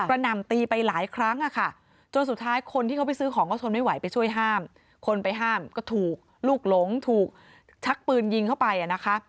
หนำตีไปหลายครั้งอะค่ะจนสุดท้ายคนที่เขาไปซื้อของก็ทนไม่ไหวไปช่วยห้ามคนไปห้ามก็ถูกลูกหลงถูกชักปืนยิงเข้าไปอ่ะนะคะ